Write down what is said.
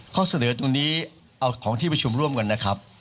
ข้อเสนอตรงนี้เอาของที่ประชุมร่วมกันนะครับ